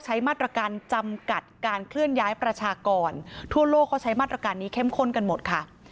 ใช้มาตรการจำกัดการเคลื่อนย้ายประชากรทั่วโลกเขาใช้มาตรการนี้เข้มข้นกันหมดค่ะ